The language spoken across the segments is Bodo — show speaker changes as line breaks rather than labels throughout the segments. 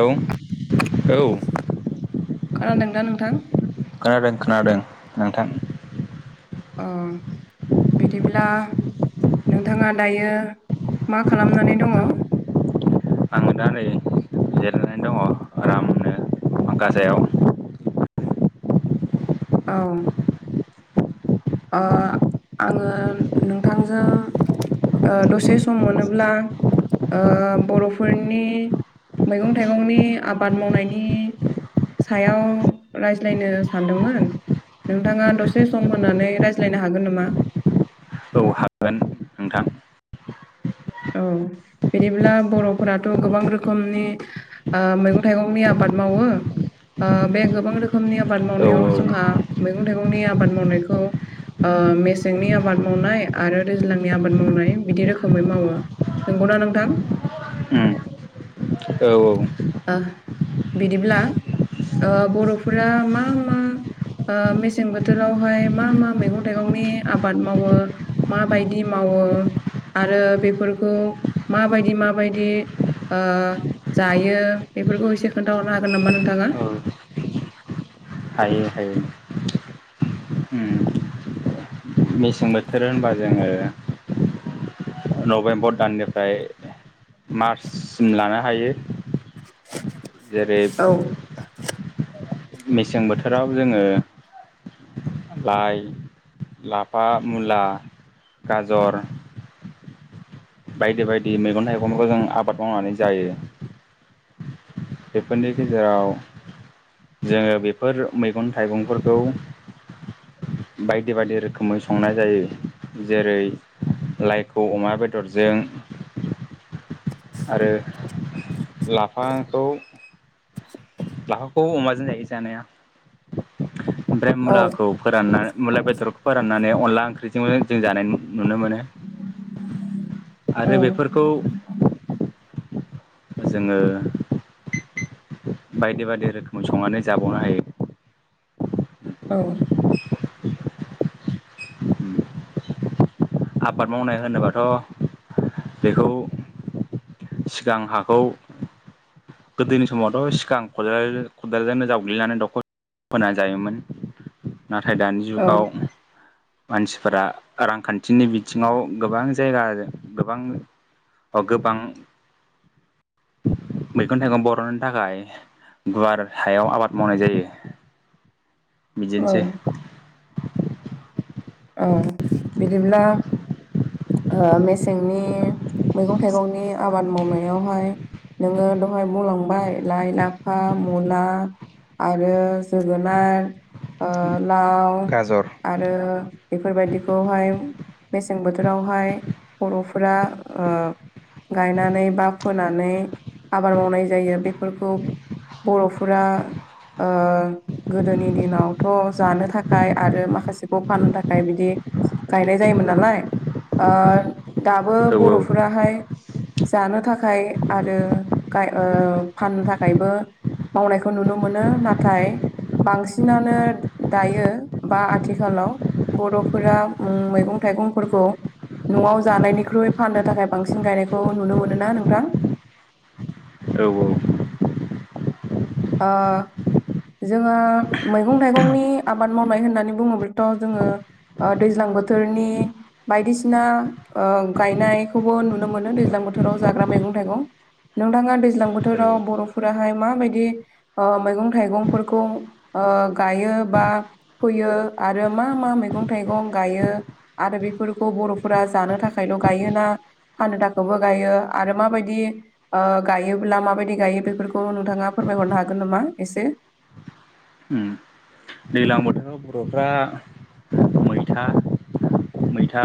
औ औ
खोनादों दा नोंथां
खोनादों खोनादों नोंथां
अ बिदिब्ला नोंथाङा दायो मा खालामनानै दङ
आङो दा नै जिरायनानै दङ आरामनो पांखाजायाव
औ आङो नोंथांजों दसे सम मोनोब्ला बर'फोरनि मैगं थाइगंनि आबाद मावनायनि सायाव रायज्लायनो सानदोंमोन नोंथाङा दसे सम होनानै रायज्लायनो हागोन नामा
औ हागोन नोंथां
औ बिदिब्ला बर'फोराथ' गोबां रोखोमनि मैगं थाइगंनि आबाद मावो बे गोबां रोखोमनि आबाद मावनायाव
उम
जोंहा मैगं थाइगंनि आबाद मावनायखौ मेसेंनि आबाद मावनाय आरो दैज्लांनि आबाद मावनाय बिदि रोखोमै मावो नंगौना नोंथां
औ
बिदिब्ला बर'फोरा मा मा मेसें बोथोरावहाय मा मा मैगं थाइगंनि आबाद मावो माबायदि मावो आरो बेफोरखौ माबायदि माबायदि जायो बेफोरखौ एसे खोन्थाहरनो हागोन नामा नोंथाङा
औ हायो हायो उ मेसें बोथोर होनबा जोङो नभेम्बर दाननिफ्राय मार्चसिम लानो हायो जेरै
औ
मेसें बोथोराव जोङो लाइ लाफा मुला गाजर बायदि बायदि मैगं थाइगंफोरखौ जों आबाद मावनानै जायो बेफोरनि गेजेराव जोङो बेफोर मैगं थाइगंफोरखौ बायदि बायदि रोखोमै संनाय जायो जेरै लाइखौ अमा बे बेदरजों आरो लाफाखौ लाफाखौ अमाजों जायो जानाया ओमफ्राय
औ
मुलाखौ फोराननानै मुला बेदरखौ फोराननानै अनला ओंख्रिजों जों जानाय नुनो मोनो
औ
आरो बेफोरखौ जोङो बायदि बायदि रोखोमै संनानै जाबावनो हायो
औ
आबाद मावनाय होनोबाथ' बेखौ सिगां हाखौ गोदोनि समावथ' सिगां खदाल खदालजोंनो जावग्लिनानै दखर फोनानै जायोमोन नाथाय दानि
औ
जुगाव मानसिफोरा रांखान्थि बिथिनि बिथिङाव गोबां जायगा गोबां गोबां मैगं थाइगं बर'नि थाखाय गुवार हायाव आबाद मावनाय जायो
औ
बिदिनोसै
औ बिदिब्ला मेसेंनि मैगं थाइगंनि आबाद मावनायावहाय नोङो दहाय मावलांबाय लाइ लाफा मुला आरो जोगोनार लाव
गाजर
आरो बेफोरबायदिखौहाय मेसें बोथोरावहाय बर'फोरा गायनानै बा फोनानै आबाद मावनाय जायो बेफोरखौ बर'फोरा गोदोनि दिनावथ' जानो थाखाय आरो माखासेखौ फाननो थाखाय आ बिदि गायनाय जायोमोन नालाय दाबो
औ
बर'फोराहाय जानो थाखाय आरो फाननो थाखायबो मावनायखौ नुनो मोनो नाथाय बांसिनानो दायो बा आथिखालाव बर'फोरा मैगं थाइगंफोरखौ न'आव जानायनिख्रुइ फाननो थाखाय बांसिन गायनायखौ नुनो मोनो ना नोंथां
औ औ
आ जोङो मैगं थाइगंनि आबाद मावनाय होननानै बुङोब्लाथ' जोङो दैज्लां बोथोरनि बायदिसिना गायनायखौबो नुनो मोनो दैज्लां बोथोराव जाग्रा मैगं थाइगं नोंथाङा दैज्लां
औ
बोथोराव बर'फोराहाय माबायदि मैगं थाइगंफोरखौ गायो बा फैयो आरो मा मा मैगं थाइगं गायो आरो बेफोरखौ बर'फोरा जानो थाखायल' गायोना फानदाखौबो गायो आरो माबायदि गायोब्ला माबायदि गायो बेफोरखौ नोंथाङा फोरमायहरनो हागोन नामा एसे
दैज्लां बोथोराव बर'फ्रा मैथा मैथा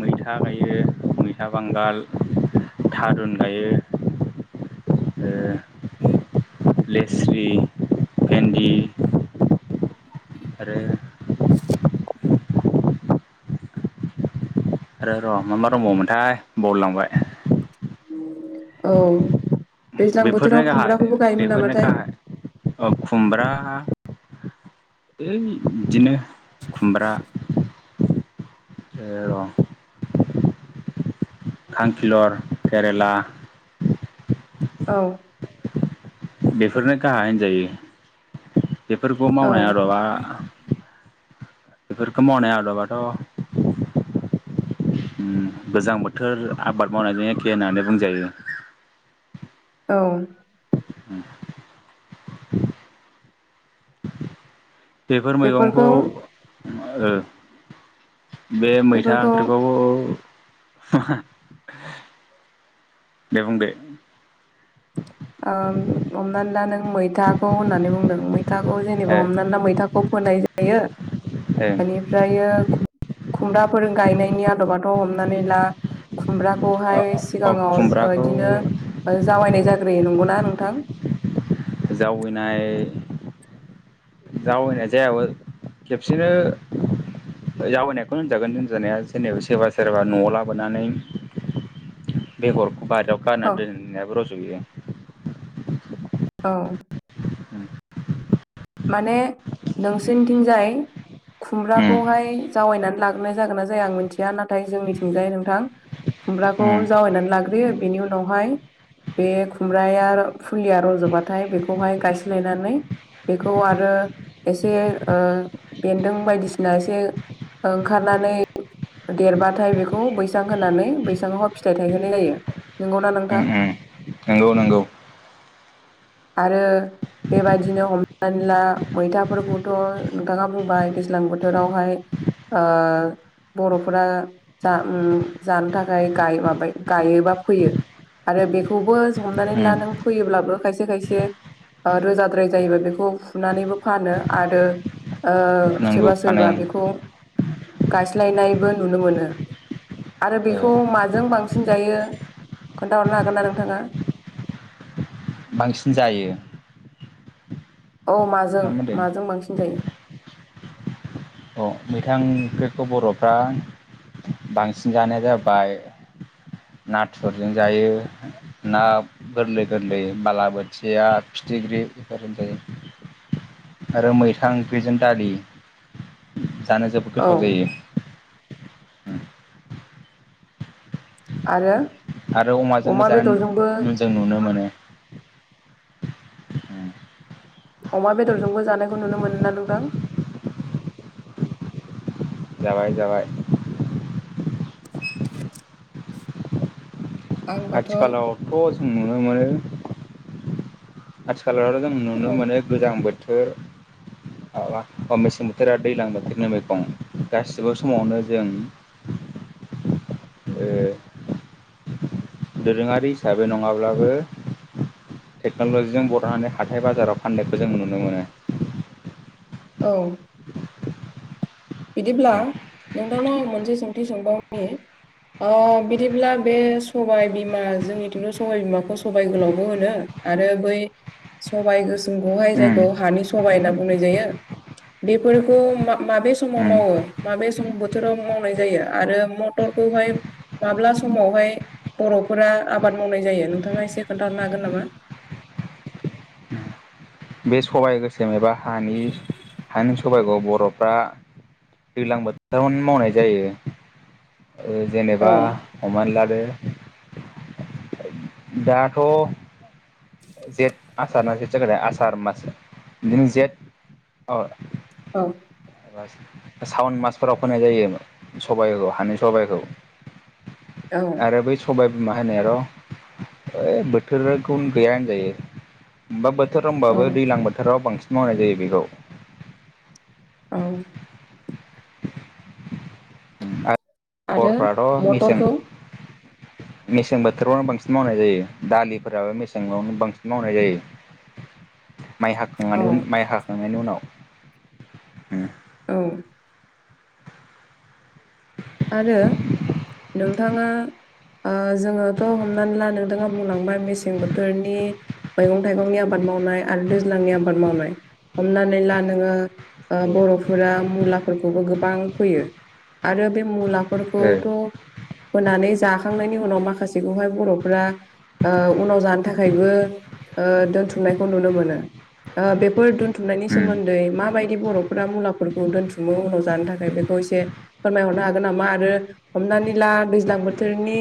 मैथा गायो मैथा बांगाल थारुन गायो लेसि भन्दि आरो र र' मा मा दंबावोमोनथाय बावलांबाय
औ दैज्लां
बेफोरनो
बोथोराव
गाहाय
खुमब्राखौबो गायोमोन
बेफोरनो
नामाथाय
गाहाय खुमब्रा ओ बिदिनो खुमब्रा एं खांखिलर केरला
औ
बेफोरनो गाहा होनजायो बेफोरखौ
औ
मावनाय आदबा बेफोरखौ मावनाय आबादआथ गोजां बोथोर आबाद मावनायजों एखे होननानै बुंजायो
औ
[inaudible] बेफोर मैगंखौ
बेफोरखौ
बे मैथा
बेफोरखौ
ओंख्रिखौ दे बुंदो
हमनानै दा नों मैथाखौ होननानै बुंदों मै मैथाखौ जेनेबा हमनानै ला मैथाखौ फोनाय जायो
ए
मानि ओमफ्रायो खुमब्राफोर गायनायनि आदबाथ' हमनानै ला खुमब्रा
अ
खौहाय
अ
सिगाङाव
खुमब्राखौ
बिदिनो जावायनाय जाग्रोयो नंगौना नोंथां
जावैनाय जावैनाय जायाबो खेबसेनो जावैनायखौनो होनजागोन होनजानाया जेनेबा सोरबा सोरबा न'आव लाबोनानै बेगरखौ बाहेरायाव गारना
औ
दोननायाबो रज'यो
अ
उम
माने नोंसोरनिथिंजाय खुमब्राखौहाय जावायनानै लागोनाय जागोन ना जाया आं मिथिया नाथाय जोंनिथिंजाय नोंथां खुमब्राखौ
उम
जावैनानै लाग्रोयो बेनि उनावहाय बे खुमब्राया फुलिया रज'बाथाय बेखौहाय गायस्लायनानै बेखौ आरो एसे बेन्दों बायदिसिना एसे ओंखारनानै देरबाथाय बेखौ बैसां होनानै बैसांआवहाइ फिथाइ थायहोनाय जायो नंगौना
उम
नोंथां
उम नंगौ नंगौ
आरो बेबायदिनो हम नै ला मैथाफोरखौथ' नोंथाङा बुंबाय दैज्लां बोथोरावहाय ओ बर'फोरा जा जानो थाखाय माबा गायो बा फोयो आरो बेखौबो हमनानै ला
उम
नों फैयोब्लाबो खायसे खायसे रोजाद्राय जायोबा बेखौ फुनानैबो फानो आरो
नंगौ
सोरबा सोरबा
बानायो
बेखौ गायस्लायनायबो नुनो मोनो आरो
ओ
बेखौ माजों बांसिन जायो खोन्थाहरनो हागोन ना नोंथाङा
बांसिन जायो
औ माजों
ना मा होनदों
माजों बांसिन जायो
अ मैथा ओंख्रिखौ बर'फ्रा बांसिन जानाया जाबाय नाथुरजों जायो ना गोरलै गोरलै बालाबोथिया फिथिख्रि बेफोर होन जायो आरो मैथा ओंख्रिजों दालि जानो जोबोद
औ
गोथाव जायो उम
आरो
आरो अमाजोंबो
अमा बेदरजोंबो
जानानै जों नुनो मोनो
अमा बेदरजोंबो जानायखौ नुनो मोनो ना नोंथां
जाबाय जाबाय
आंबाथ' औ
आथिखालावथ' जों नुनो मोनो आथिखालावथ' जों नुनो मोनो गोजां बोथोर मेसें बोथोरा दैज्लां बोथोरनि मैगं गासिबो समावनो जों ओ दोरोङारि हिसाबै नङाब्लाबो टेक्न'ल'जिजों बर'नानै हाथाय बाजाराव फाननायखौ जों नुनो मोनो
औ बिदिब्ला नोंथांनाव आं मोनसे सोंथि सोंबावनि बिदिब्ला बे सबायबिमा जोंनिथिथ' सबायबिमाखौ सबाइ गोलावबो होनो आरो बै सबाइ गोसोमखौहाय
उम
जायखौ हानि सबाइ होनना बुंनाय जायो बेफोरखौ माबे समाव
उम
मावो माबे सम बोथोराव मावनाय जायो आरो मथरखौहाय माब्ला समावहाय बर'फोरा आबाद मावनाय जायो नोंथाङा एसे खोन्थाहरनो हागोन नामा
बे सबाय गोसोम एबा हानि हानि सबाइखौ बर'फ्रा दैज्लां बोथोरावनो मावनाय जायो
औ
जेनेबा हमनानै लादो दाथ' जेठ आसार ना जे ज आसार मास बिदिनो जेठ औ
औ
सावन मासफोराव फोनाय जायो सबाइखौ हानि सबाइखौ
औ
आरो बै सबाय बिमा होनाय र' ओइ बोथोरखौ गैया होनजायो हा बोथोर
औ
दबाबो दैज्लां बोथोराव बांसिन मावनाय जायो बेखौ
औ
[inaudible] आरो
आरो
हरफ्राथ' मेसें
मटरखौ
मेसें बोथोरावनो बांसिन मावनाय जायो दालिफोराबो मेसेंयावनो बांसिन मावनाय जायो
[inaudible]
माइ
औ
हाखांनानै उ माइ हाखांनायनि उनाव
औ आरो नोंथाङा जोङोथ' हमनानै ला नोंथां आं बुंलांबाय मेसें बोथोरनि मैगं थाइगंनि आबाद मावनाय आरो दैज्लांनि आबाद मावनाय हमनानै ला नोङो बर'फोरा मुलाफोरखौबो गोबां फैयो आरो बे
औ ओ
मुलाफोरखौथ' फोनानै जाखांनायनि उनाव माखासेखौहाय बर'फ्रा ओ उनाव जानो थाखायबो ओ दोनथुमनायखौ नुनो मोनो ओ बेफोर दोन दुथुनायनि
उम
सोमोनदै माबाय बर'फोरा मुलाफोरखौ दोनथुमो उनाव जानो थाखाय बेखौ एसे फोरमायहरनो हाग गोन नामा आरो हमनानै ला दैज्लां बोथोरनि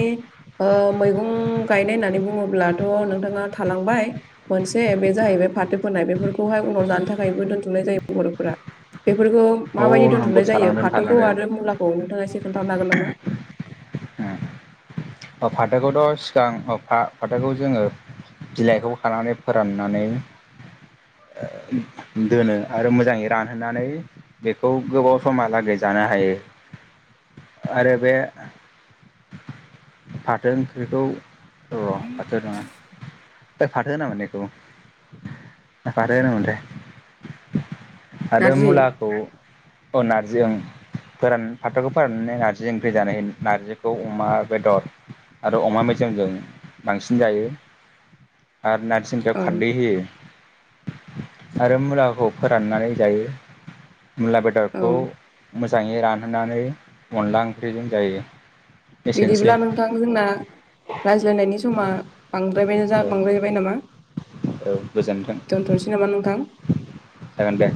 मैगं गायनाय होननानै बुङोब्लाथ' नोंथाङा थालांबाय मोनसे बे जाहैबाय फाथो फोनाय बेफोरखौहाय उनाव जानो थाखायबो दोन्थुमनाय जायो बर'फोरा बेफोरखौ
औ
माबायदि
नंगौ
दोनथुमनाय जायो
थालांदों
फाथोखौ
थालांदों
आरो मुलाखौ नोंथाङा एसे खोनथानो हागोन नामा?
उम फाथोखौथ' सिगां फाथोखौ जोङो बिलाइखौ खानानै फोराननानै दोनो आरो मोजाङै रानहोनानै बेखौ गोबाव समहालागै जानो हायो आरो बे फाथो ओंख्रिखौ र' फाथो नङा फाथो होनामोन ना बेखौ ना फाथो होनोमोनथाय
[inaudible]
आरो मुलाखौ अ नारजि ओं फोरान फाथोखौ फोराननानै नारजि ओंख्रि जानो नारजिखौ अमा बेदर आरो अमा मेजेमजों बांसिन जायो आरो नारजि नारजि
औ
ओंख्रियाव खारदै होयो आरो मुलाखौ फोराननानै जायो मुला
औ
बेदरखौ मोजाङै रानहोनानै अनला ओंख्रिजों जायो एसेनोसै
बिदिब्ला नोंथां जोंना रायज्लायनायनि समा बांद्रायबाय जा
औ
बांद्रायबाय नामा
औ गोजोनथों
दोनथ'नोसै नामा नोंथां
जागोन दे